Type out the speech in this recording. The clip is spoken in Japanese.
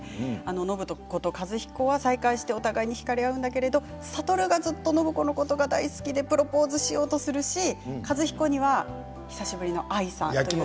暢子と和彦は再会してお互いにひかれ合うんだけれど智がずっと暢子のことが大好きでプロポーズしようとするし和彦には久しぶりの愛さん。